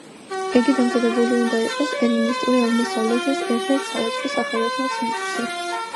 იგი დამზადებული უნდა იყოს ელინისტური აღმოსავლეთის ერთ-ერთ სავაჭრო-სახელოსნო ცენტრში.